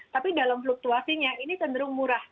tapi dalam fluktuasinya ini cenderung murah